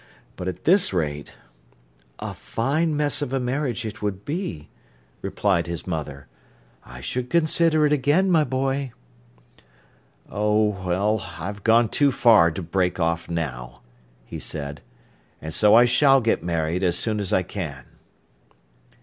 But at this rate—" "A fine mess of a marriage it would be," replied his mother. "I should consider it again, my boy." "Oh, well, I've gone too far to break off now," he said, "and so I shall get married as soon as I can."